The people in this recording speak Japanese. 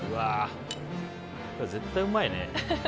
これ絶対うまいね。